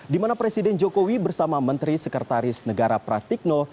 di mana presiden jokowi bersama menteri sekretaris negara pratikno